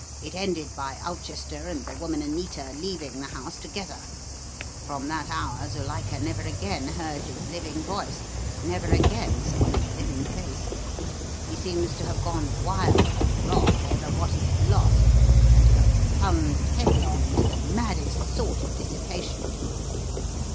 It ended by Ulchester and the woman Anita leaving the house together. From that hour Zuilika never again heard his living voice, never again saw his living face! He seems to have gone wild with wrath over what he had lost and to have plunged headlong into the maddest sort of dissipation.